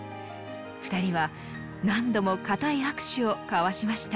２人は何度も固い握手を交わしました。